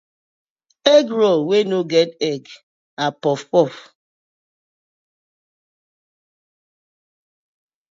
Egg roll wey no get egg na puff puff.